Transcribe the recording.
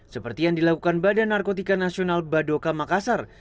seperti yang dilakukan badan narkotika nasional badoka makassar